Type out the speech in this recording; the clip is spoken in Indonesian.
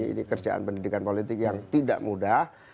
ini kerjaan pendidikan politik yang tidak mudah